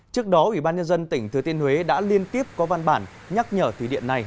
trước đó ủy ban nhân dân tỉnh thừa tiên huế đã liên tiếp có văn bản nhắc nhở thủy điện này